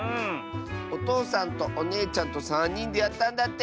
おとうさんとおねえちゃんとさんにんでやったんだって！